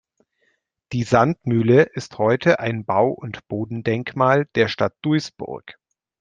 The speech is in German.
Die Sandmühle ist heute ein Bau- und Bodendenkmal der Stadt Duisburg.